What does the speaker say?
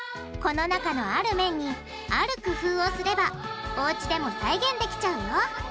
この中のある麺にある工夫をすればおうちでも再現できちゃうよ。